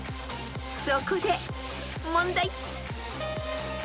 ［そこで問題］